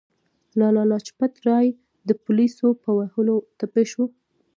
لالا لاجپت رای د پولیسو په وهلو ټپي شو.